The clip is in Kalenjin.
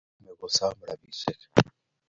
Chome kusome rubishek